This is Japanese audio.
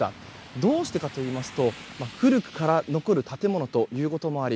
どうしてかといいますと古くから残る建物ということもあり